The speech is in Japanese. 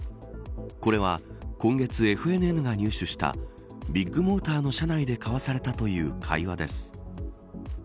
これは、今月ＦＮＮが入手したビッグモーターの社内で交わされたという会話です。